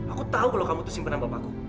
aku tau kalau kamu tersimpanan bapakku